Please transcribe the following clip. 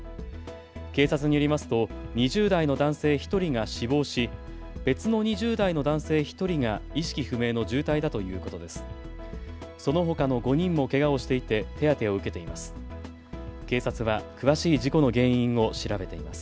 警察によりますと２０代の男性１人が死亡し別の２０代の男性１人が意識不明の重体だということです。